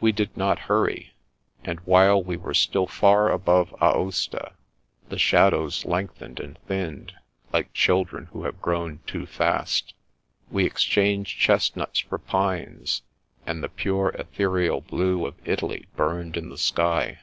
We did not hurry, and while we were still far above Aosta, the shadows lengthened and thinned, like children who have g^own too fast. We ex changed chestnuts for pines, and the pure ethereal blue of Italy burned in the sky.